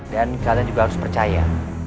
dan kalian juga harus percaya